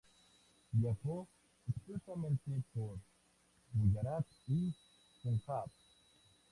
Viajó extensamente por Guyarat y Punjab.